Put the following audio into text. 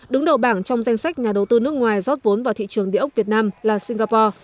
đứng đầu bảng trong danh sách nhà đầu tư nước ngoài rót vốn vào thị trường đề ốc việt nam là singapore